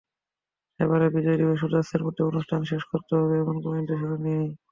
এবারের বিজয় দিবসে সূর্যাস্তের মধ্যে অনুষ্ঠান শেষ করতে হবে, এমন কোনো নির্দেশনা নেই।